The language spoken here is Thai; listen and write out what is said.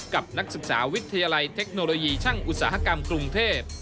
นักศึกษาวิทยาลัยเทคโนโลยีช่างอุตสาหกรรมกรุงเทพ